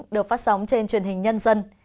được phát sóng trên truyền hình nhân dân